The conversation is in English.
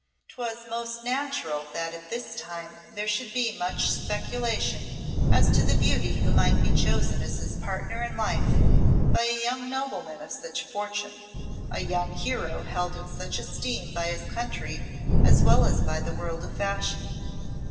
'Twas most natural that at this time there should be much speculation as to the beauty who might be chosen as his partner in life by a young nobleman of such fortune, a young hero held in such esteem by his country as well as by the world of fashion.